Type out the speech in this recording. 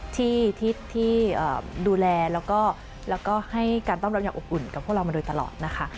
ที่ดูแลแล้วก็ให้การตอบรับอย่างอบอุ่นมาด้วยตลอดนะคะ